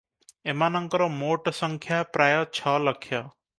ଏମାନଙ୍କର ମୋଟସଂଖ୍ୟା ପ୍ରାୟ ଛଲକ୍ଷ ।